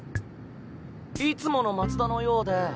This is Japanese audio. いつもの松田のようで。